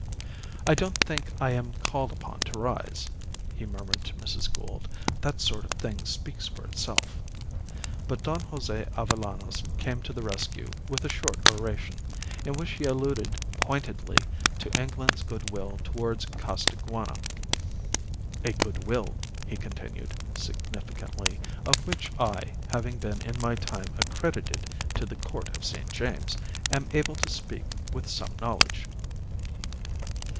"I don't think I am called upon to rise," he murmured to Mrs. Gould. "That sort of thing speaks for itself." But Don Jose Avellanos came to the rescue with a short oration, in which he alluded pointedly to England's goodwill towards Costaguana "a goodwill," he continued, significantly, "of which I, having been in my time accredited to the Court of St. James, am able to speak with some knowledge."